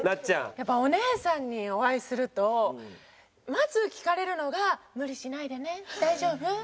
やっぱお姉さんにお会いするとまず聞かれるのが無理しないでね大丈夫？